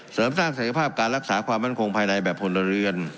เสริมสร้างศักยภาพการรักษาความมั่นคงภายในแบบพลเรือน